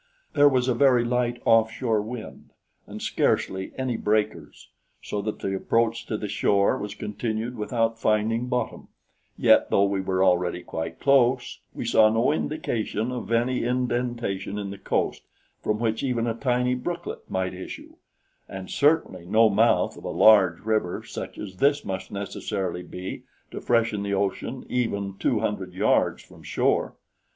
There was a very light off shore wind and scarcely any breakers, so that the approach to the shore was continued without finding bottom; yet though we were already quite close, we saw no indication of any indention in the coast from which even a tiny brooklet might issue, and certainly no mouth of a large river such as this must necessarily be to freshen the ocean even two hundred yards from shore.